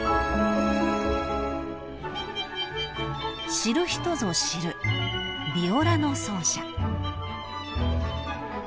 ［知る人ぞ知るビオラの奏者］